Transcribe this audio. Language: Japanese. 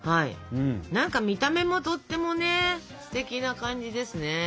なんか見た目もとってもねすてきな感じですね。